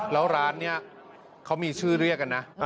แล้วร้านนี้เขามีชื่อเรียกกันนะ